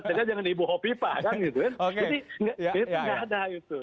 sekadarnya jangan ibu hopi pak kan gitu